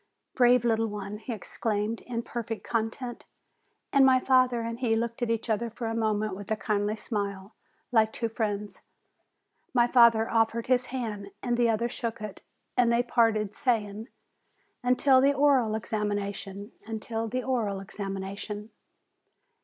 "Brave little one!" he exclaimed, in per fect content. And my father and he looked at each other for a moment with a kindly smile, like two friends. My father offered his hand, and the other shook it; and they parted, saying, "Until the oral examination." "Until the oral examination."